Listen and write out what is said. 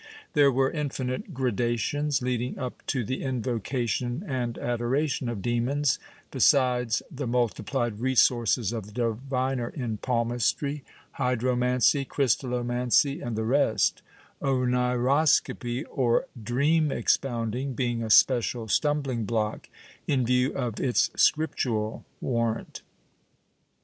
There were infinite gradations, leading up to the invocation and adoration of demons, besides the multiplied resources of the diviner in palmistry, hydi omancy, crystallomancy and the rest— oneiroscopy, or dream expounding, being a special stumbUng block, in view of its scrip tural warrant.